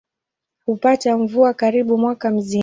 Hupata mvua karibu mwaka mzima.